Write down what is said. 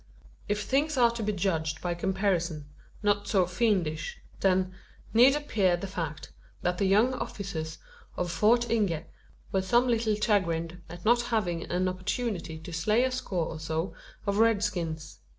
If things are to be judged by comparison, not so fiendish, then, need appear the fact, that the young officers of Fort Inge were some little chagrined at not having an opportunity to slay a score or so of red skins.